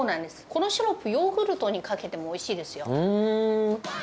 このシロップ、ヨーグルトにかけてもおいしいですよ。